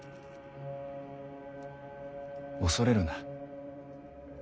恐れるな。